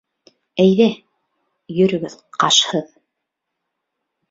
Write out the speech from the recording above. Әйҙә, йөрөгөҙ ҡашһыҙ.